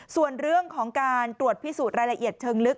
ส่วนเรื่องของการตรวจพิสูจน์รายละเอียดเชิงลึก